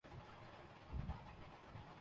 چہر ہ مسخ ہونے میں۔